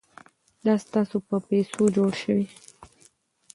دا ستاسو په پیسو جوړ شوي.